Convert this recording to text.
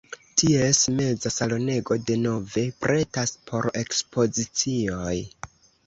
Ties meza salonego denove pretas por ekspozicioj.